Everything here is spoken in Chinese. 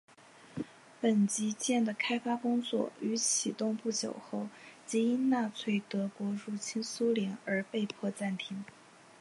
本级舰的开发工作于启动不久后即因纳粹德国入侵苏联而被迫暂停。